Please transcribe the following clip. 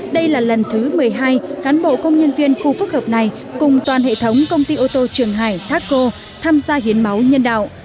đây là lần thứ một mươi hai cán bộ công nhân viên khu phức hợp này cùng toàn hệ thống công ty ô tô trường hải taco tham gia hiến máu nhân đạo